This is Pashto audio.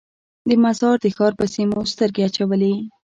د مزار د ښار پسې مو سترګې اچولې.